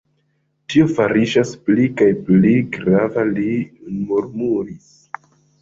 Tio fariĝas pli kaj pli grava, li murmuris.